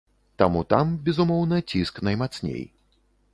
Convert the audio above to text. Таму там, безумоўна, ціск наймацней.